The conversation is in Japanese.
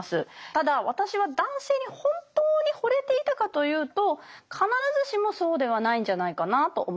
ただ私は男性に本当にほれていたかというと必ずしもそうではないんじゃないかなと思っています。